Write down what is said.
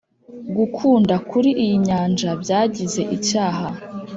gukunda kuri iyi nyanja byagize icyaha